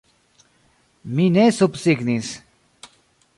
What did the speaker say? Mi ne subsignis!